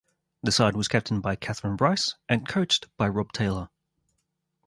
The side was captained by Kathryn Bryce and coached by Rob Taylor.